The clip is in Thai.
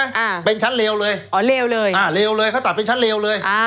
อ่าเป็นชั้นเลวเลยอ๋อเลวเลยอ่าเลวเลยเขาตัดเป็นชั้นเลวเลยอ่า